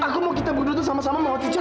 kamu suka bahas kan sama dia